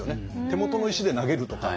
手元の石で投げるとか。